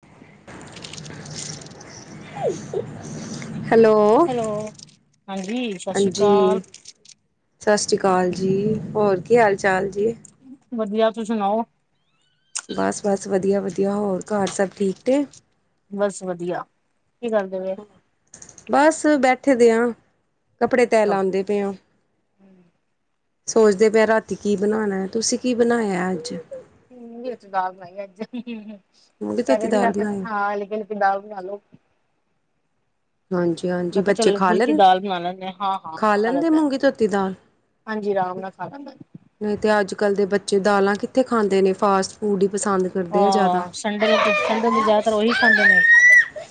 [inaudible] [inaudible] Hello hello ਹਾਂਜੀ ਸਤਿ ਸ੍ਰੀ ਹਾਂਜੀ। ਅਕਾਲ ਸਤਿ ਸ੍ਰੀ ਅਕਾਲ ਜੀ ਹੋਰ ਕੀ ਹਾਲ ਚਾਲ ਜੀ? ਵਦੀਆ ਤੁਸੀਂ ਸੁਣਾਓ। ਬਸ -ਬਸ ਵਧੀਆ- ਵਧੀਆ ਹੋਰ ਘਰ ਸਭ ਠੀਕ ਐ। ਬਸ ਵਧੀਆ, ਕੀ ਕਰਦੇ ਓ ਬਸ ਬੈਠੇ ਦੇ ਆ, ਕੱਪੜੇ ਤੈ ਲਉਂਦੀ ਪੀਆ ਸੋਚਦੇ ਪਏ ਰਾਤੀ ਕੀ ਬਣਾਣਾ ਤੁਸੀਂ ਕੀ ਬਣਾਇਆ ਅੱਜ ਮੂੰਗੀ ਧੋਤੀ ਦਾਲ ਬਣਾਈਏ ਅੱਜ [unintelligible] ਮੂੰਗੀ ਧੋਤੀ ਕਹਿੰਦੇ ਸੀ ਦਾਲ ਰਾਤੀ ਬਣਾਈ ਹਾਂ ਹਲਕੀ-ਹਲਕੀ ਦਾਗ ਬਣਾ ਲਿਓ। [unintelligible] ਹਾਂਜੀ -ਹਾਂਜੀ ਮੈਂ ਕਿਹਾ ਚੱਲ ਬੱਚੇ ਹਲਕੀ ਖਾ ਫੁਲਕੀ ਲੈਂਦ, ਦਾਲ ਬਣਾ ਲੈਂਦੇ ਹਾਂ ਹਾਂ ਹਾਂ ਖਾ ਲੈਦੇ ਲੈਂਦਾ ਮੂੰਗੀ ਧੋਤੀ ਦਾਲ ਹਾਂਜੀ ਆਰਾਮ ਨਾਲ ਖਾ ਲੈਂਦੇ ਨ। ਨਹੀਂ ਤੇ ਅੱਜ ਕੱਲ੍ਹ ਦੇ ਬੱਚੇ ਦਾਲਾਂ ਕਿੱਥੇ ਖਾਂਦੇ ਨੇ ਫਾਸਟ ਫੂਡ ਪਸੰਦ ਕਰਦੇ ਆ ਜ਼ਿਆਦਾ ਹਾਂ ਸੰਡੇ ਨੂੰ -ਸੰਡੇ ਜ਼ਿਆਦਾਤਰ ਉਹੀ ਖਾਂਦੇ ਨੇ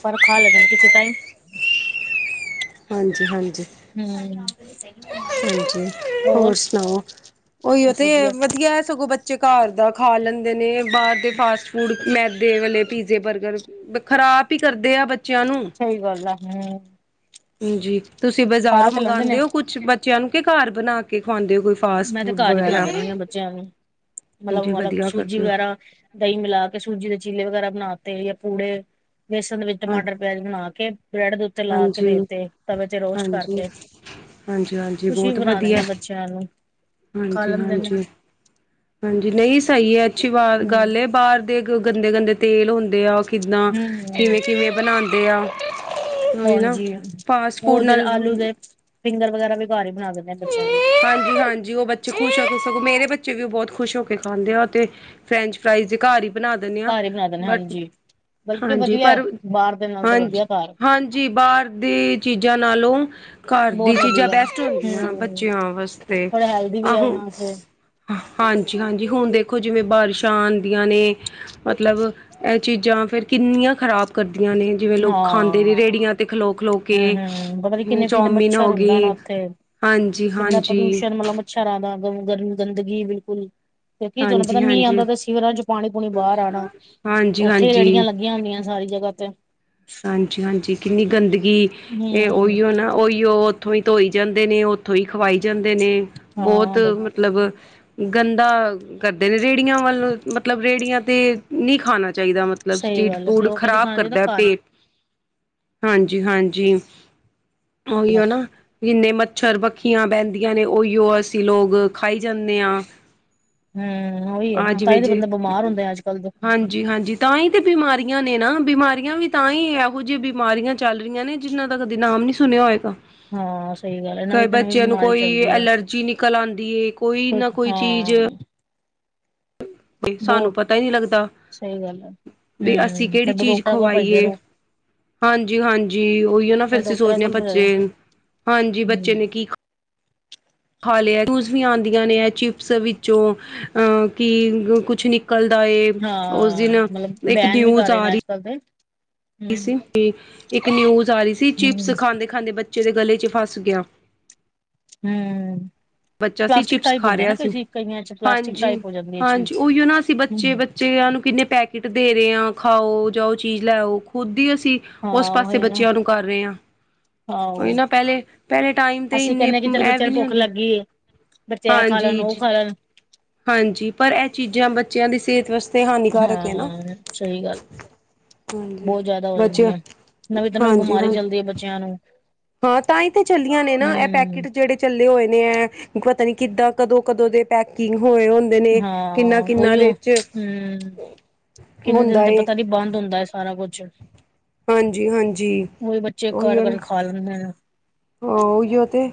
ਪਰ ਖਾ ਲੈਂਦੇ ਨੇ ਕਿਸੇ ਟਾਈਮ [inaudible] ਹਾਂਜੀ -ਹਾਂਜੀ। ਹੂੰ ਹਾਂਜੀ ਹੋਰ ਸੁਣਾਓ ਉਹੀਓ ਤੇ ਵਧੀਆ ਸਗੋਂ ਬੱ ਘਰ ਦਾ ਖਾ ਲੈਂਦੇ ਨੇ ਬਾਹਰ ਦੇ ਫਾਸਟ ਫੂਡ ਮੈਦੇ ਵਾਲੇ ਪੀਜ਼ੇ ਬਰਗਰ ਖ਼ਰਾਬ ਹੀ ਕਰਦੇ ਆ ਬੱਚਿਆਂ ਨੂੰ ਸਹੀ ਗੱਲ ਹੈ ਹੂੰ ਹਾਂਜੀ ਤੁਸੀਂ ਖਾ ਬਾਜ਼ਾਰੋਂ ਤੇ ਲੈਂਦੇ ਨੇ ਮੰਗਵਾਉਂਦੇ ਹੋ ਕੁਛ ਬੱਚਿਆਂ ਨੂੰ ਕੇ ਘਰ ਬਣਾ ਕੇ ਖਵਾਦੇ ਹੋ ਕ ਮੈਂ ਤੇ ਘਰ ਹੀ ਬਣਾ ਦਿੰਦੀ ਹਾਂ ਬੱਚਿਆਂ ਨੂੰ ਮਤਲਬ ਹਾਂਜੀ -ਮਤਲਬ ਵਧੀਆ ਸੂਜੀ ਕਰਦੇ ਹੋ ਵਗੈਰਾ ਦਹੀਂ ਮਿਲਾ ਕੇ ਸੂਜੀ ਦੇ ਚੀਲੇ ਵਗੈਰਾ ਬਣਾਤੇ ਜਾਂ ਪੂੜੇ, ਬੇਸਣ ਦੇ ਵਿੱਚ ਹਾਂ ਟਮਾਟਰ ਵੈਲ ਬਣਾ ਕੇ ਬ੍ਰੈਡ ਦੇ ਉਤ ਤੇ ਲਾ ਕੇ ਹਾਂਜੀ। ਦੇਤੇ ਤਵੇ ਤੇ ਰੋਸਟ ਹਾਂਜੀ, ਕਰਕੇ, ਹਾਂਜੀ, ਹਾਂਜੀ ਕੁਛ ਵੀ ਬਹੁਤ ਬਣਾ ਵਧੀਆ ਦਿੰਦੇ ਬੱਚ ਚਲੋ। ਹਾਂਜੀ- ਹਾਂਜੀ, ਹਾਂਜੀ ਨਹੀਂ ਸਹੀ ਹੈ ਅੱਛੀ ਹੂੰ ਬਾ-ਗੱਲ ਬਾਹਰ ਦੇ ਗੰਦੇ- ਗੰਦੇ ਤੇਲ ਹੁੰਦੇ ਆ ਉਹ ਕਿੱਦਾਂ, ਹੂੰ ਕਿਵੇਂ- ਕਿਵੇਂ ਬਣਾਦੇ ਆ [unintelligible] ਉਹੀ ਨਾ, ਹਾਂਜੀ ਫਾਸਟ ਉਹ ਫੂਡ ਜਿਹੜੇ ਨਾਲ ਆਲੂ ਦੇ ਫਿੰਗਰ ਵਗੈਰਾ ਵੀ ਘਰ ਹੀ ਬਣਾ ਦਿੰਦੇ ਆ ਬੱਚਿਆਂ ਨੂੰ। ਹਾਂਜੀ -ਹਾਂਜੀ ਉਹ ਬੱਚੇ ਖ਼ੁਸ਼ ਹੋ ਕੇ ਸਗੋਂ, ਮੇਰੇ ਬੱਚੇ ਵੀ ਉਹ ਬਹੁਤ ਖੁਸ਼ ਹੋ ਕੇ ਖਾਂਦੇ ਆ ਤੇ ਫਰੈਂਚ ਫਰਾਈਜ਼ ਜੇ ਘਰ ਹੀ ਬਣਾ ਦਿੰਦੇ ਆ, ਘਰ ਹੀ ਬਣਾ ਦਿੰਦੇ ਬਟ ਹਾਂਜੀ ਬਲਕਿ ਹਾਂਜੀ ਵਧੀਆ ਪਰ, ਬਾਹਰ ਦੇ ਨਾਲ ਤੇ ਹਾਂਜ- ਵਧੀਆ ਘਰ ਹਾਂਜੀ, ਬਾਹਰ ਦੀ ਚੀਜ਼ਾਂ ਨਾਲੋਂ ਘਰ ਦੀ ਬਹੁਤ ਚੀਜ਼ਾਂ ਵਧੀਆ ਬੈਸਟ ਹੁੰਦੀਆਂ ਹੂੰ ਬੱਚਿਆਂ ਵਾਸਤੇ, ਥੋੜਾ ਹੈਲਦੀ ਵੀ ਹੈ ਆਹੋ ਉਹਨਾਂ ਵਾਸਤੇ ਹਾਂਜੀ -ਹਾਂਜੀ ਹੁਣ ਦੇਖੋ ਜਿਵੇਂ ਬਾਰਿਸ਼ਾਂ ਆਦੀਆਂ ਨੇ ਮਤਲਬ, ਇਹ ਚੀਜ਼ਾਂ ਫੇਰ ਕਿੰਨੀਆਂ ਖ਼ਰਾਬ ਕਰਦੀਆਂ ਨੇ ਜਿਵੇਂ ਲੋਕ ਹਾਂ ਖਾਂਦੇ ਨੇ ਰੇਹੜੀਆਂ ਤੇ ਖਲੋ- ਖਲੋ ਹੂੰ ਕੇ, ਹੂੰ ਪਤਾ ਨੀ ਕਿੰਨੇ ਕਿੰਨੇ ਚੌਮਿਨ ਮੱਛਰ ਹੋ ਗੇ ਹੁੰਦਾ ਨਾ ਉੱਥੇ ਹਾਂਜੀ- ਹਾਂਜੀ। [unintelligible] ਗਰਮੀ ਗੰਦਗੀ ਏ ਬਿਲਕੁਲ। ਕਿਉਕੀ ਜਦੋ ਇਕ ਹਾਂਜੀ ਦਮ ਮੀਂਹ ਹਾਂਜੀ ਆਦਾ ਪਿਆ ਸੀ ਸੀਵਰਾਂ ਚ ਪਾਣੀ- ਪੂਣੀ ਬਾਹਰ ਆਣਾ। ਹਾਂਜੀ ਉੱਥੇ ਹੀ ਹਾਂਜੀ ਰੇਹੜੀਆਂ ਲੱਗੀਆਂ ਹੁੰਦੀਆਂ ਸਾਰੀ ਜਗ੍ਹਾ ਤੇ। ਹਾਂਜੀ ਹਾਂਜੀ ਕਿੰਨੀ ਗੰਦਗੀ, ਇਹ ਹੂੰ ਉਹੀਓ ਨਾ ਉਹੀਓ ਉੱਥੋਂ ਹੀ ਧੋਈ ਜਾਂਦੇ ਨੇ ਉੱਥੋਂ ਹੀ ਖਵਾਈ ਜਾਂਦੇ ਨੇ ਬੋਤ ਹਾਂ ਬ ਮਤਲਬ ਗੰਦਾ ਕਰਦੇ ਨੇ ਰੇਹੜੀਆਂ ਵੱਲ ਮਤਲਬ ਰੇਹੜੀਆਂ ਤੇ ਨੀ ਖਾਣਾ ਚਾਹੀਦਾ। ਮਤਲਬ ਸਹੀ ਸਟ੍ਰੀਟ ਗੱਲ ਐ, ਫੂਡ ਲੋਕ ਕਹਿੰਦੀ ਖਰਾਬ ਖਾਣਾ ਚਾਹੀਦਾ ਕਰਦਾ ਐ ਘਰ ਪੇਟ। ਹੀ ਹਾਂਜੀ-ਹਾਂਜੀ ਓਇਓ ਨਾ ਜਿੰਨੇ ਮੱਛਰ ਬ ਖ਼ਿਆਂ ਬਹਿੰਦੀਆਂ ਨੇ ਓਹੀਓ ਅਸੀਂ ਲੋਕ ਖਾਈ ਜਾਂਨੇ ਆਂ। ਹੂੰ ਉਹੀ ਹੈ ਆ ਨਾ ਤਾਂ ਜਿਵੇਂ ਹੀ ਤੇ ਜੇ ਬੰਦਾ ਬਿਮਾਰ ਹੁੰਦਾ ਅੱਜ ਕੱਲ ਦੇ ਹਾਂਜੀ-ਹਾਂਜੀ ਤਾਂ ਈ ਤੇ ਬਿਮਾਰੀਆਂ ਨੇ ਨਾ, ਬਿਮਾਰੀਆਂ ਵੀ ਤਾਂ ਈ ਏਹੋ ਜੀ ਬਿਮਾਰੀਆਂ ਚੱਲ ਰਹੀਆਂ ਨੇ ਜਿਹਨਾਂ ਦਾ ਕਦੇ ਨਾਮ ਨੀ ਸੁਨਆ ਹੋਏਗਾ। ਹਾਂ ਸਹੀ ਗੱਲ ਹੈ ਕਰ ਨਵੀਂ ਤੋਂ ਨਵੀਂ ਬੱਚਿਆਂ ਨੂੰ ਬਿਮਾਰੀ ਕੋਈ ਚੱਲਦੀ ਹੈ ਅਲਰਜੀ ਨਿਕਲ ਆਂਦੀ ਏ ਕੋਈ ਨਾ ਕੋਈ ਚੀਜ਼ ਤੇ ਬਹੁ ਸਾਨੂੰ ਪਤਾ ਈ ਨਿ ਲੱਗਦਾ ਸਹੀ ਗੱਲ ਹੈ ਵੀ ਅਸੀਂ ਹੂੰ ਕੇੜੀ ਫਿਰ ਚੀਜ਼ ਡਾਕਟਰਾਂ ਕੋਲ ਭੱਜਦੇ ਖਵਾਈਏ। ਰਹੋ ਹਾਂਜੀ-ਹਾਂਜੀ ਓਇਓ ਨਾ ਫਿਰ ਅਸੀਂ ਡਾਕਟਰਾਂ ਸੋਚਦੇ ਆਂ ਕੋਲ ਭੱਜਦੇ ਰਹੋ ਬੱਚੇ ਹਾਂਜੀ ਬੱਚੇ ਹੂੰ ਨੇ ਕੀ ਖਾ ਲਿਆ ਚੁਸਨੀਆਂ ਆਂਦੀਆਂ ਨੇ ਚਿਪਸ ਵਿੱਚੋਂ ਅ ਕੀ ਕੁਛ ਨਿ ਕਲਦਾ ਏ ਉਸ ਦਿਨ ਇੱਕ ਨਿਊਜ ਆ ਰੀ ਕਰਦੇ ਰੀ ਸੀ ਕਿ ਇੱਕ ਨਿਊਜ ਆ ਰੀ ਸੀ ਚਿਪਸ ਹੂੰ ਖਾਂਦੇ-ਖਾਂਦੇ ਬੱਚੇ ਦੇ ਗਲੇ 'ਚ ਫਸ ਗਆ। ਹੂੰ। ਬੱਚਾ ਸੀ ਪਲਾਸਟਿਕ ਚਿਪਸ ਟਾਈਪ ਖਾ ਹੁੰਦੇ ਰਿਹਾ ਨਾ ਸੀ, ਕਈ ਕਈਆਂ ਚ ਪਲਾਸਟਿਕ ਹਾਂਜੀ, ਟਾਈਪ ਹੋ ਜਾਂਦੀ ਹੈ ਹਾਂਜੀ ਚੀਜ਼ ਓਇਓ ਨਾ ਅਸੀ ਬੱਚੇ ਚੇਆਂ ਨੂੰ ਕਿੰਨੇ ਪੈਕੇਟ ਦੇ ਰੇ ਆ ਖਾਓ, ਜਾਓ ਚੀਜ਼ ਲੈ ਆਓ। ਖੁਦ ਈ ਅਸੀਂ ਹਾਂ ਓਸ ਪਾਸੇ ਉਹੀ ਹੈ ਨਾ ਬੱਚਿਆਂ ਨੂੰ ਕਰ ਰੇ ਆਂ। ਓਈ ਆਹੋ ਨਾ ਪਹਿਲੇ, ਪਹਿਲੇ ਟਾਈਮ ਤੇ ਅਸੀਂ ਇੰਨੇ ਕਹਿੰਦੇ ਕਿ ਚੱਲ ਐ ਬੱਚਿਆਂ ਵੀ ਨੂੰ ਨੀ ਭੁੱਖ ਹੁੰਦੇ ਲੱਗੀ ਏ ਬੱਚੇ ਐ ਖਾ ਲੈਨ ਹਾਂਜੀ ਓ ਜੀ ਖਾ ਲੈਨ। ਹਾਂਜੀ ਪਰ ਐ ਚੀਜ਼ਾਂ ਬੱਚਿਆਂ ਦੀ ਸੇਤ ਵਾਸਤੇ ਹਾਨੀਕਾਰਕ ਹੈ ਨਾ ਹਾਂ, ਸਹੀ ਗੱਲ ਏ। ਹਾਂਜੀ ਬੋਤ ਜਾਦਾ ਹੋ ਬੱਚੇ ਜਾਂਦੀਆਂ, ਨਵੀਂ ਤੋਂ ਨਵੀਂ ਹਾਂਜੀ ਬਿਮਾਰੀ ਹਾਂ ਚੱਲਦੀ ਏ ਬੱਚਿਆਂ ਨੂੰ। ਹਾਂ ਤਾਂ ਈ ਤੇ ਚੱਲੀਆਂ ਨੇ ਨਾ ਐ ਪੈਕਟ ਹੂੰ ਜੇੜੇ ਚੱਲੇ ਹੋਏ ਨੇ ਐ ਪਤਾ ਨੀ ਕਿੱਦਾਂ ਕਦੋਂ-ਕਦੋਂ ਦੇ ਪੈਕਿੰਗ ਹੋਏ ਹੋਨ ਦੇ ਨੇ ਹਾਂ ਕਿੰਨਾ-ਕਿੰਨਾ ਉਹੀਓ ਦੇ 'ਚ ਹੂੰ ਕਿੰਨੇ ਦਿਨ ਹੁੰਦਾ ਤੇ ਏ ਪਤਾ ਨੀ ਬੰਦ ਹੁੰਦਾ ਐ ਸਾਰਾ ਕੁਝ। ਹਾਂਜੀ-ਹਾਂਜੀ, ਬੱਚੇ ਕਰ ਓਇਓ ਕਰ ਨਾ, ਖਾ ਲੈਂਦੇ ਨੇ ਓਇਓ ਤੇ।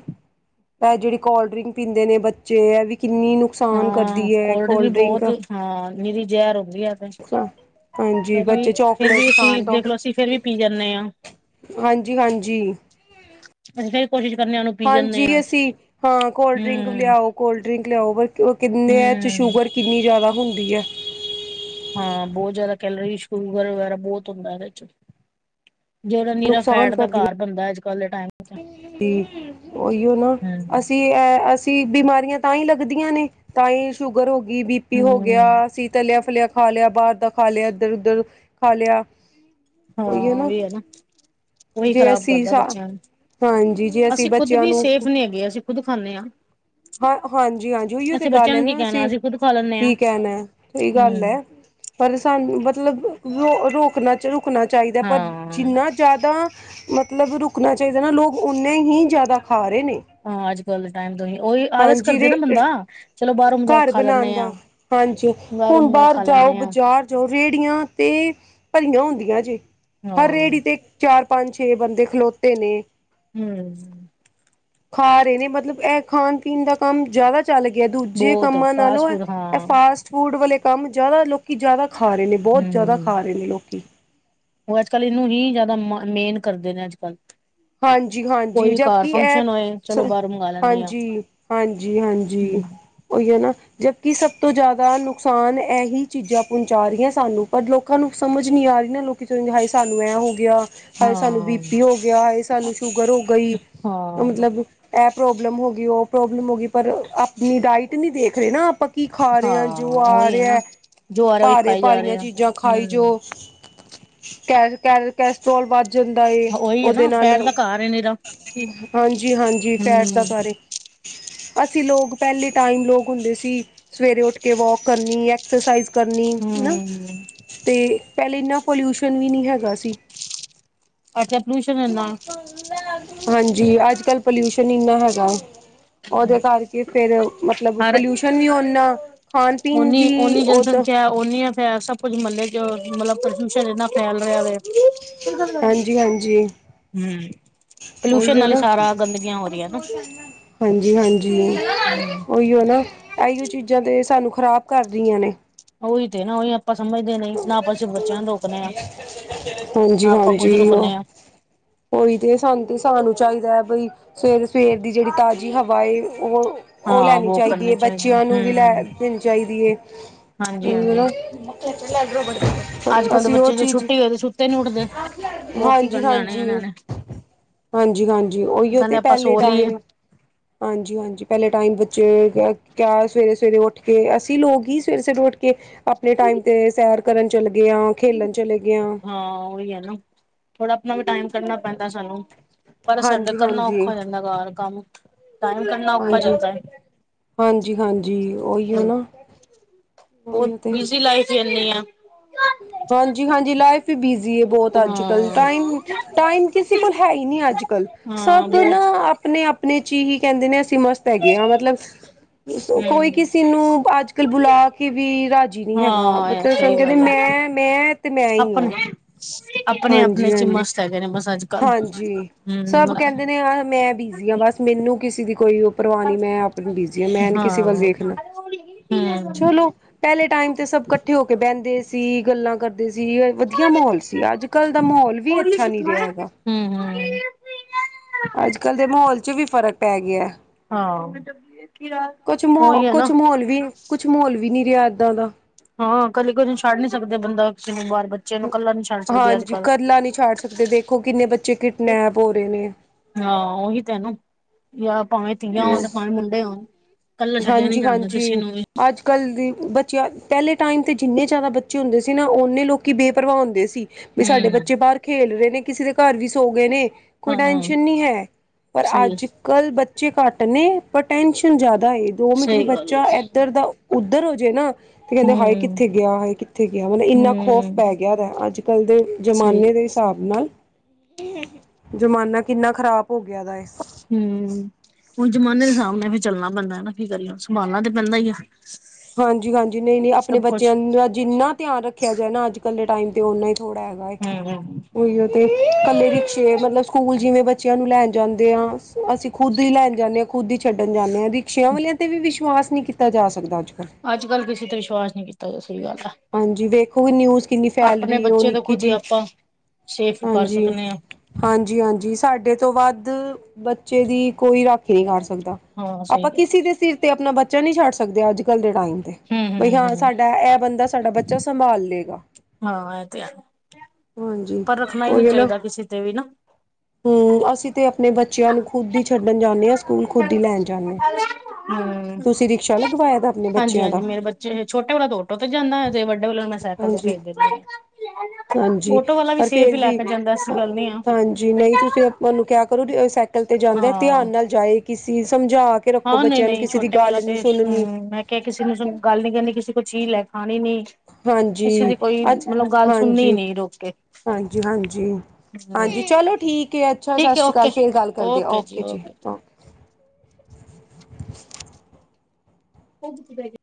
ਐ ਜੇੜੀ ਕੋਲਡ ਡਰਿੰਕ ਪੀਂਦੇ ਨੇ ਬੱਚੇ ਐ ਵੀ ਕਿੰਨੀ ਨੁਕਸਾਨ ਹਾਂ ਕਰਦੀ ਏ ਵੀ ਕੋਲਡ ਡਰਿੰਕ। ਬਹੁਤ ਹਾਂ ਨੀਰੀ ਜੈਰ ਹੁੰਦੀ ਐ ਤੇ ਹਾਂਜੀ ਫਿਰ ਬੱਚੇ ਵੀ, ਫੇਰ ਚੋਕਲੇਟ ਵੀ ਅਸੀਂ ਖਾਣ ਦੇਖਲੋ ਅਸੀਂ ਫੇਰ ਵੀ ਪੀ ਜਾਂਨੇ ਆਂ। ਹਾਂਜੀ-ਹਾਂਜੀ। [unintelligible] ਕੋਸ਼ਿਸ਼ ਕਰਨੇ ਓਨੂੰ ਹਾਂਜੀ ਅਸੀਂ ਹਾਂ ਕੋਲਡ ਡਰਿੰਕ ਹਮ ਲਿਆਓ। ਕੋਲਡ ਡਰਿੰਕ ਲਿਆਓ ਪਰ ਕਿੰਨੇ ਏਹ 'ਚ ਹਮ ਸ਼ੂਗਰ ਕਿੰਨੀ ਜਾਦਾ ਹੁੰਦੀ ਐ। ਹਾਂ ਬੋਤ ਜਾਦਾ ਕੈਲਰੀ, ਸ਼ੂਗਰ ਵਗੈਰਾ ਬੀਤ ਹੁੰਦਾ ਏਦੇ 'ਚ। ਜੇੜਾ ਨੀਰਾ ਨੁਕਸਾਨ ਫੈਟ ਦਾ ਘਰ ਬਨਦਾ ਅੱਜ ਕੱਲ ਦੇ ਟਾਈਮ। ਚ ਹੂੰ, ਓਇਓ ਨਾ, ਹਮ ਅਸੀਂ ਐ ਅਸੀਂ ਬੀ ਬਿਮਾਰੀਆਂ ਤਾਂ ਈ ਲੱਗਦੀਆਂ ਨੇ ਤਾਂ ਈ ਸ਼ੂਗਰ ਹੋ ਗੀ, ਬੀਪੀ ਹੋ ਗਿਆ, ਸੀ ਤਲਿਆ ਫਲਿਆ ਖਾ ਲਿਆ, ਬਾਰ ਦਾ ਖਾ ਲਿਆ, ਏਧਰ, ਉਧਰ ਖਾ ਲਿਆ। ਹਾਂ ਓਈ ਐ ਨਾ ਉਹੀ ਹੈ ਉਹੀ ਜੇ ਖ਼ਰਾਬ ਅਸੀਂ ਕਰਦਾ ਸ ਬੱਚਿਆਂ ਨੂੰ ਹਾਂਜੀ, ਜੇ ਅਸੀਂ ਖੁਦ ਬੱਚਿਆਂ ਵੀ ਨੂੰ ਸੇਫ ਨੀ ਹੈਗੇ ਅਸੀਂ ਖੁਦ ਖਾਂਦੇ ਹਾਂ ਹਾਂ ਹਾਂਜੀ-ਹਾਂਜੀ ਓਇਓ ਤੇ ਅਸੀਂ ਗੱਲ ਬੱਚਿਆਂ ਐ ਨੂੰ ਕੀ ਨਾ ਕਹਿਣਾ ਅਸੀਂ ਖੁਦ ਖਾ ਲੈਂਦੇ ਹਾਂ ਕੀ ਕਹਿਣਾ ਐ ਸਹੀ ਗੱਲ ਐ। ਹਮ ਪਰ ਸਾਨੂੰ ਮਤਲਬ ਰੋ ਰੋਕਨਾ, ਰੁਕਨਾ ਚਾਈਦਾ ਪਰ ਹਾਂ ਜਿੰਨਾ ਜਾਦਾ ਮਤਲਬ ਰੁਕਨਾ ਚਾਈਦਾ ਨਾ ਲੋਕ ਉਨਾਂ ਹੀ ਜਾਦਾ ਖਾ ਰੇ ਨੇ। ਹਾਂ ਅੱਜ ਕੱਲ ਦੇ ਟਾਈਮ ਤੋਂ ਹੀ ਉਹੀ ਆਲਸ ਹਾਂਜੀ ਕਰਦੇ ਰੇ ਨਾ ਬੰਦਾ ਚਲੋ ਬਾਹਰੋਂ ਮੰਗਾ ਕੇ ਘਰ ਖਾ ਬਣਾਉਣ ਲੈਂਨੇ ਦਾ ਆਂ ਹਾਂਜੀ ਬਾਹਰੋਂ ਹੁਣ ਬਾਹਰ ਜਾਓ ਬਜ਼ਾਰ ਜੋ ਰੇਹੜੀਆਂ ਤੇ ਭਰੀਆਂ ਹੁੰਦੀਆਂ ਜੇ, ਹਰ ਹਾਂ ਰੇਹੜੀ ਤੇ ਚਾਰ ਪੰਜ ਛੇ ਬੰਦੇ ਖਲੋਤੇ ਨੇ ਹੂ ਖਾ ਰਹੇ ਨੇ, ਮਤਲਬ ਇਹ ਖਾਣ ਪੀਣ ਦਾ ਕੰਮ ਜ਼ਿਆਦਾ ਚੱਲ ਗਿਆ, ਦੂਜੇ ਬਹੁਤ ਕੰਮਾਂ ਫਾਸਟ ਨਾਲੋਂ ਫੂਡ ਇਹ ਹਾਂ ਫਾਸਟ ਫੂਡ ਵਾਲੇ ਕੰਮ, ਜ਼ਿਆਦਾ ਲੋਕ ਜ਼ਿਆਦਾ ਖਾ ਰਹੇ ਨੇ ਬਹੁਤ ਜ਼ਿਆਦਾ ਹੂੰ, ਖਾ ਰਹੇ ਨੇ ਲੋਕੀ ਉਹ ਅੱਜ ਕੱਲ੍ਹ ਇਹਨੂੰ ਹੀ ਜ਼ਿਆਦਾ ਮ ਮੇਨ ਕਰਦੇ ਨੇ ਅੱਜ ਕੱਲ੍ਹ ਹਾਂਜੀ ਕੋਈ ਹਾਂਜੀ ਵੀ ਘਰ ਜਬਕਿ ਫੰਕਸ਼ਨ ਹੋਏ ਚਲੋ ਇਹ ਬਾਹਰੋਂ ਮੰਗਵਾ ਲੈਂਦੇ ਆ। ਹਾਂਜੀ ਹਾਂਜੀ ਜੀ ਹਾਂਜੀ ਉਹੀ ਹੈ ਨਾ ਜਦਕਿ ਸਭ ਤੋਂ ਜ਼ਿਆਦਾ ਨੁਕਸਾਨ ਇਹੀ ਚੀਜ਼ਾਂ ਪਹੁੰਚਾ ਰਹੀਆਂ ਸਾਨੂੰ, ਪਰ ਲੋਕਾਂ ਨੂੰ ਸਮਝ ਨੀ ਆ ਰਹੀ ਨਾ, ਲੋਕੀ ਕਿਸੇ ਨੂੰ ਦਿਖਾਈ ਸਾਨੂੰ ਐਂ ਹੋ ਗਿਆ ਹਾਯੇ ਸਾਨੂੰ ਬੀ ਹਾਂ, ਪੀ ਹੋ ਗਿਆ, ਹਾਯੇ ਸਾਨੂੰ ਸ਼ੂਗਰ ਹੋ ਗਈ, ਹਾਂ, ਮਤਲਬ ਇਹ ਪ੍ਰੋਬਲਮ ਹੋ ਗਈ ਉਹ ਪ੍ਰੋਬਲਮ ਹੋ ਗਈ, ਪਰ ਆਪਣੀ ਡਾਇਟ ਨੀ ਦੇਖ ਰਹੇ ਨਾ ਆਪਾਂ ਕੀ ਖਾ ਰਹੇ ਆਂ, ਜੋ ਹਾਂ ਆ ਉਹੀ ਰਿਆ ਨਾ ਹੈ ਜੋ ਆ ਰਿਹਾ ਉਹੀ ਭਾਰੇ ਖਾਈ ਜਾ ਰਹੇ ਭਾਰੀਆਂ ਆ। ਚੀਜ਼ਾਂ ਖਾਈ ਹੂੰ, ਜੋ, ਕ ਕੈਸਟ੍ਰੋਲ ਵੱਧ ਜਾਂਦਾ ਏ, ਉਹੀ ਹੈ ਉਹਦੇ ਨਾ ਨਾਲ, ਫੈਟ ਦਾ ਘਰ ਹੈ ਨਿਰਾ। ਹਾਂਜੀ ਹਾਂਜੀ ਫੈਟ ਦਾ ਹੂੰ, ਕਾਰ ਅਸੀਂ ਲੋਕ ਪਹਿਲੇ ਟਾਈਮ ਲੋਕ ਹੁੰਦੇ ਸੀ, ਸਵੇਰੇ ਉੱਠ ਕੇ ਵੋਕ ਕਰਨੀ ਏ ਐਕਸਰਸਾਈਜ਼ ਕਰਨੀ ਹੈ ਨਾ, ਹੂੰ, ਤੇ ਪਹਿਲੇ ਇੰਨਾ ਪੋਲਿਊਸ਼ਨ ਵੀ ਨਹੀਂ ਹੈਗਾ ਸੀ ਅੱਛਾ ਪਲਊਸ਼ਨ ਹੈ ਨਾ ਹਾਂਜੀ ਅੱਜ ਕੱਲ੍ਹ ਪੋਲਿਊਸ਼ਨ ਇੰਨਾ ਹੈਗਾ ਉਹਦੇ ਕਰਕੇ ਫੇਰ ਮਤਲਬ ਹਰ ਪਲਿਊਸ਼ਨ ਵੀ ਔ ਨਾ ਖਾਣ ਪੀਣ ਵੀ ਉਓਦੋਂ ਉਹ ਨੀ ਆ ਫੇਰ ਸਭ ਕੁੱਝ ਮਹੱਲੇ ਚ ਮਤਲਬ ਪ੍ਰਦੂਸ਼ਣ ਇਨਾ ਫੈਲ ਰਿਹਾ ਵ ਹੂ ਹਾਂਜੀ-ਹਾਂਜੀ ਪੋਲਿਊਸ਼ਨ ਉਹੀਓ ਨਾਲ ਹੀ ਨਾ ਸਾਰਾ ਗੰਦਗੀਆਂ ਹੋ ਰਹੀਆਂ ਹੈਨਾ ਹਾਂਜੀ ਹਾਂਜੀ ਹੂੰ, ਉਹੀਓ ਨਾ ਇਹੀਓ ਚੀਜ਼ਾਂ ਤਾਂ ਸਾਨੂੰ ਖ਼ਰਾਬ ਕਰ ਦਿਆਂ ਨੇ ਉਹੀ ਤੇ ਨਾ, ਉਹੀ ਆਪਾਂ ਸਮਝਦੇ ਨਹੀਂ ਨਾ ਆਪਾਂ ਸ਼ਿ ਨਾ ਹਾਂਜੀ ਆਪਾਂ ਖੁਦ ਹਾਂਜੀ ਉਹ ਰੁਕਨੇ ਆ। ਉਈ ਤੇ, ਸਾਨੂੰ ਤੇ ਸਾਨੂੰ ਚਾਹੀਦਾ ਹੈ ਬਈ ਸਵੇਰ ਸਵੇਰ ਦੀ ਜਿਹੜੀ ਤਾਜ਼ੀ ਹਵਾ ਏ ਉਹ ਉਹ ਹਾਂ ਲੈਣੀ ਵੋ ਚਾਹੀਦੀ ਕਰਨੀ ਹੈ, ਬੱਚਿਆਂ ਨੂੰ ਵੀ ਲੈ ਹੂੰ ਦੇਣੀ ਚਾਹੀਦੀ ਹੈ ਹਾਂਜੀ-ਹਾਂਜੀ ਹੈ ਅੱਜ ਕੱਲ੍ਹ [inaudible] ਦੇ ਉਹ ਬੱਚੇ ਜੇ ਚੀਜ਼ ਛੁੱਟੀ ਹੋਏ ਤੇ ਸੁੱਤੇ ਨੀ ਉੱਠਦੇ। ਵੋਕ ਕੀ ਹਾਂਜੀ ਕਰਨ ਜਾਣੇ ਹਾਂਜੀ ਇਹਨਾਂ ਨੇ ਹਾਂਜੀ ਹਾਂਜੀ ਉਹੀਓ ਕਹਿੰਦੇ ਤੇ ਆਪਾਂ ਪਹਿਲੇ ਸੋ ਲਈਏ ਟਾਈਮ ਹਾਂਜੀ ਹਾਂਜੀ ਪਹਿਲੇ ਟਾਈਮ ਬੱਚੇ ਕਯਾ ਸਵੇਰੇ ਸਵੇਰੇ ਉਠ ਕੇ ਅਸੀਂ ਲੋਕ ਹੀ ਸਵੇਰੇ ਸਵੇਰੇ ਉੱਠ ਕੇ ਆਪਣੇ ਟਾਈਮ ਤੇ ਸੈਰ ਕਰਨ ਚਲੇ ਗਏ ਹਾਂ ਖੇਲਣ ਚਲੇ ਗਏ ਆਂ ਹਾਂ ਉਹੀ ਹੈ ਨਾ ਥੋੜਾ ਆਪਣਾ ਵੀ ਟਾਈਮ ਕੱਢਣਾ ਪੈਂਦਾ ਸਾਨੂੰ ਪਰ ਸਾਡੇ ਹਾਂਜੀ ਕਰਨਾ ਹਾਂਜੀ ਔਖਾ ਜਾਂਦਾ ਘਾਰ ਕੰਮ, ਟਾਈਮ ਕੱਢਣਾ ਔਖਾ ਹੋ ਹਾਂਜੀ ਜਾਂਦਾ ਐ ਹਾਂਜੀ ਹਾਂਜੀ ਉਹੀਓ ਨਾ ਉਹੀਓ ਤੇ ਦੇਨੀ ਆਂ ਹਾਂਜੀ ਹਾਂਜੀ ਲਾਈਫ ਬਿਜ਼ੀ ਬਹੁਤ ਅੱਜ ਕੱਲ ਹਾਂ-ਹਾਂ ਟਾਈਮ ਟਾਈਮ ਕਿਸੇ ਕੋਲ ਹੈ ਹੀ ਨਹੀਂ ਅੱਜ ਕੱਲ ਸਭ ਨਾ ਬਹੁਤ ਆਪਣੇ ਆਪਣੇ ਚ ਹੀ ਕਹਿੰਦੇ ਨੇ ਅਸੀਂ ਮਸਤ ਹੈਗੇ ਹਾਂ ਮਤਲਬ ਕੋਈ ਹੂੰ ਕਿਸੀ ਨੂੰ ਅੱਜ ਕੱਲ ਬੁਲਾ ਕੇ ਵੀ ਰਾਜ਼ਜੀ ਨਹੀਂ ਹੈਗਾ ਹਾਂ ਮਤਲਬ ਸਹੀ ਸਾਨੂੰ ਕਹਿੰ ਤੇ ਗੱਲ ਮੈਂ ਹੈ। ਮੈਂ ਤੇ ਮੈਂ ਹੀ ਹਾਂ ਆਪਣੇ ਆਪਣੇ ਆਪਣੇ ਚ ਹੀ ਹਾਂਜੀ-ਹਾਂਜੀ, ਮਸਤ ਹੈਗੇ ਨੇ ਮਸਾਜੇ ਹਾਂਜੀ ਸਭ ਕਹਿੰਦੇ ਨੇ ਮੈਂ ਬਿਜ਼ੀ ਹਾਂ ਬਸ ਮੈਨੂੰ ਕਿਸੇ ਦੀ ਕੋਈ ਪਰਵਾਹ ਨੀ ਮੈਂ ਆਪਣੀ ਬੀਜੀ ਆ ਮੈਂ ਨੀ ਕਿਸੇ ਵੱਲ ਹਮ ਵੇਖਣਾ ਹਮ ਚਲੋ ਪੈਲੇ ਟਾਈਮ ਤੇ ਸਬ ਕੱਠੇ ਹੋ ਕੇ ਬੈਂਦੇ ਸੀ, ਗੱਲਾਂ ਕਰਦੇ ਸੀ ਵਧੀਆ ਮਹੌਲ ਸੀ ਅੱਜ ਕੱਲ ਦਾ ਮਹੌਲ ਵੀ ਅੱਛਾ ਨੀ ਰਿਆ ਹੈ ਹੂੰ, ਹੂੰ। ਅੱਜ ਕੱਲ ਦੇ ਮਹੌਲ ਚ ਵੀ ਫ਼ਰਕ ਪੈ ਗਿਆ। ਹਾਂ। ਕੁਛ ਮਾਹੌਲ, ਕੁਛ ਮਾਹੌਲ ਵੀ, ਕੁਛ ਮਾਹੌਲ ਵੀ ਨੀ ਰਿਆ ਐਦਾਂ ਦਾ। ਹਾਂ ਕੱਲੇ ਕਿਸੀ ਨੂੰ ਛੱਡ ਨੀ ਸਕਦੇ ਬੰਦਾ, ਕਿਸੇ ਨੂੰ ਬਾਰ ਬ ਹਾਂਜੀ, ਕੱਲਾ ਨੀ ਛਡ ਸਕਦੇ ਦੇਖੋ ਕਿੰਨੇ ਬੱਚੇ ਕਿਡਨੈਪ ਹੋਰੇ ਨੇ। ਹਾਂ ਓਹੀ ਤੇ ਹੈ ਨਾ ਯਾ ਭਾਵੇਂ ਧੀਆਂ ਹੋਣ, ਨੇ ਤੇ ਭਾਵੇਂ ਮੁੰਡੇ ਹੋਣ ਕੱਲਾ ਛੱਡਿਆ ਨੀ ਜਾਂਦਾ ਕਿਸੀ ਨੂੰ ਵੀ। ਅੱਜ ਕੱਲ ਦੀ ਬੱਚਿਆ ਪੈਲੇ ਟਾਈਮ ਤੇ ਜਿੰਨੇ ਜਾਦਾ ਬੱਚੇ ਹੁੰਦੇ ਸੀ ਨਾ, ਓਨੇ ਲੋਕ ਬੇਪਰਵਾ ਹੁੰਦੇ ਸੀ। ਵੀ ਸਾਡੇ ਹਮ ਬੱਚੇ ਬਾਹਰ ਖੇਲ ਰੇ ਨੇ, ਕਿਸੇ ਦੇ ਘਰ ਵੀ ਸੋ ਗਏ ਨੇ ਕੋਈ ਹਾਂ ਟੈਂਸ਼ਨ ਨੀ ਹੈ, ਪਰ ਸਹੀ ਅੱਜ ਕਲ ਬੱਚੇ ਘੱਟ ਨੇ ਪਰ ਟੈਨਸ਼ਨ ਜਾਦਾ ਏ। ਦੋ ਮਿੰਟ ਵੀ ਸਹੀ ਗੱਲ ਬੱਚਾ ਐਧਰ ਦਾ ਉੱਧਰ ਹੋ ਜੇ ਨਾ ਤੇ ਕੈਂਦੇ ਹਾਏ ਹਮ ਕਿੱਥੇ ਗਿਆ ਵਾ, ਹਾਏ ਕਿੱਥੇ ਗਿਆ ਮਤਲਬ ਇੰਨਾ ਖੌਫ਼ ਹਮ ਪੈ ਗਿਆ ਵਾ ਅੱਜ ਕੱਲ ਦੇ ਜਮਾਨੇ ਸਹੀ ਦੇ ਹਿਸਾਬ ਨਾਲ ਜਮਾਨਾ ਕਿੰਨਾ ਖ਼ਰਾਬ ਹੋ ਗਿਆ ਦਾ ਏ। ਹੂੰ, ਹੁਣ ਜਮਾਨੇ ਦੇ ਹਿਸਾਬ ਨਾਲ ਵੀ ਚੱਲਨਾ ਪੈਂਦਾ ਐ ਨਾ, ਕੀ ਕਰੀਏ ਹੁਣ ਸੰਭਾਲਨਾ ਤੇ ਪੈਂਦਾ ਈ ਏ। ਹਾਂਜੀ, ਹਾਂਜੀ ਨਈ, ਨਈ ਅਪਨੇ ਬਚਿਆ ਕੁਛ। ਦਾ ਜਿੰਨਾ ਧਿਆਨ ਰੱਖਿਆ ਜਾਏ ਨਾ ਅੱਜ ਕੱਲ ਦੇ ਟਾਈਮ ਤੇ ਓਨਾ ਥੋੜਾ ਐ। ਹੈਗਾ ਏ ਹੂੰ, ਉਹੀ ਉ ਤੇ ਤੇ ਕੱਲੇ ਰਿਕਸ਼ੇ ਮਤਲਬ ਸਕੂਲ ਜਿਵੇਂ ਬੱਚਿਆਂ ਨੂੰ ਲੈਨ ਜਾਂਦੇ ਆ ਅਸੀ ਖੁਦ ਈ ਲੈਨ ਜਾਂਦੇ ਆਂ, ਖੁਦ ਈ ਛੱਡਨ ਜਾਂਦੇ ਆਂ, ਰਿਕਸੇ਼ਆਂ ਵਾਲਿਆਂ ਤੇ ਵੀ ਵਿਸ਼ਵਾਸ ਨੀ ਕੀਤਾ ਜਾ ਸਕਦਾ ਅੱਜ ਕੱਲ੍ਹ ਅੱਜ ਕੱਲ ਕਿਸੀ ਤੇ ਵਿਸ਼ਵਾਸ ਨੀ ਕੀਤਾ ਜਾ, ਸਈ ਗੱਲ ਐ। ਹਾਂਜੀ ਵੇਖੋ ਇਹ ਨਿਊਜ਼ ਕਿੰਨੀ ਫੈ਼ਲ ਰਹੀ ਏ ਓ ਨਿੱਕੀ ਜੀ ਸੇਫ਼ ਕਰ ਹਾਂਜੀ ਸਕਨੇ ਆਂ। ਹਾਂਜੀ, ਹਾਂਜੀ ਸਾਡੇ ਤੋਂ ਵੱਧ ਬੱਚੇ ਦੀ ਕੋਈ ਰਾਖੀ ਨੀ ਕਰ ਸਕਦਾ। ਹਾਂ ਸਹੀ ਅਪਾਂ ਗੱਲ ਹੈ ਕਿਸੀ ਦੇ ਸਿਰ ਤੇ ਅਪਨਾ ਬੱਚਾ ਨੀ ਛੱਡ ਸਕਦੇ ਅੱਜ ਕੱਲ ਦੇ ਟਾਈਮ ਤੇ। ਹੂੰ, ਬਈ ਹਾਂ ਹੂੰ, ਹੂੰ। ਸਾਡਾ ਐ ਬੰਦਾ ਸਾਡਾ ਬੱਚਾ ਸੰਭਾਲ ਲਏਗਾ। ਹਾਂ ਇਹ ਤੇ ਹੈ ਹਾਂਜੀ। ਪਰ ਰੱਖਨਾ ਈ ਨੀ ਚਾਈਦਾ ਕਿਸੇ ਤੇ ਵੀ ਨਾ। ਹੂੰ, ਅਸੀ ਤੇ ਅਪਨੇ ਬੱਚੇਆਂ ਨੂੰ ਖੁਦ ਈ ਛ ਛੱਡਣ ਜਾਂਨੇ ਆਂ ਸੂਕੂਲ ਖੁਦ ਈ ਲੈਨ ਜਾਂਨੇ ਆਂ, ਹੂੰ। ਤੂਸੀ ਰਿਕਸ਼ਾ ਲਗਵਾਇਆ ਦਾ ਅਪਨੇ ਬੱਚਿਆਂ ਦਾ? ਜੇ ਛੋਟੇ ਵਾਲਾ ਤੇ ਔਟੋ ਤੇ ਜਾਂਦੈ, ਤੇ ਵੱਡੇ ਵਾਲੇ ਨੂੰ ਮੈਂ ਸੈਕਲ ਤੇ ਹਾਂਜੀ ਭੇਜ ਦੇਨੀ ਆਂ। ਹਾਂਜੀ, ਪਰ ਫੇਰ ਵੀ, ਐਸੀ ਗੱਲ ਨੀ ਆ ਹਾਂਜੀ ਨਈ ਤੂਸੀ ਓਹਨੂੰ ਕਿਆ ਕਰੋ ਸੈਕਲ ਤੇ ਜਾਂਦਿਆਂ ਹਾਂ। ਧਿਆਨ ਨਾਲ ਜਾਏ ਕਿਸੀ ਸਮਝਾ ਕੇ ਰੱਖੋ ਹਾਂ ਬਚਿਆ ਨੂੰ ਕਿਸੀ ਦੀ ਗੱਲ ਨੀ ਸੁਨਨੀ ਕਿ ਕਿਸੀ ਨੂੰ ਸੁਨ ਗੱਲ ਨੀ ਕਰਨੀ, ਕਿਸੇ ਕੋਲ ਚੀਜ ਲੈ ਕੇ ਖਾਣੀ ਨੀ ਹਾਂਜੀ ਕਿਸੀ ਦੀ ਕੋਈ ਅੱਜ ਮਤਲਬ ਗੱਲ ਸੁਨਨੀ ਹਾਂਜੀ ਨੀ ਰੂਕ ਕੇ। ਹਾਂਜੀ, ਹਾਂਜੀ। ਹੂੰ ਹਾਂਜੀ, ਚਲੋ ਠੀਕ ਏ, ਅੱਛਾ ਸਤਿ ਠੀਕ ਹੈ ਸ੍ਰੀ ਅਕਾਲ, ਫੇਰ ਗੱਲ ਕਰਦੇ, ਓਕੇ-ਓਕੇ ਓਕੇ ਜੀ, ਓਕੇ। [unintelligible]